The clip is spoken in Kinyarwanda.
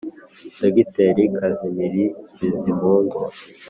dogiteri kazimiri bizimungu.